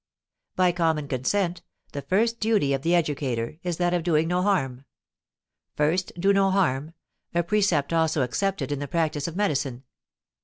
_). "By common consent, the first duty of the educator is that of doing no harm: first do no harm, a precept also accepted in the practise of medicine.